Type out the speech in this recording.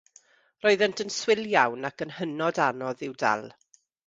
Roeddent yn swil iawn ac yn hynod anodd i'w dal.